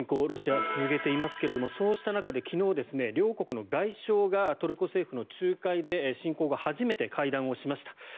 ロシアは続けていますけれどそうした中で昨日、両国の外相がトルコ政府の仲介で初めて会談をしました。